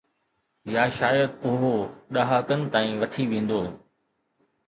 يا شايد اهو ڏهاڪن تائين وٺي ويندو.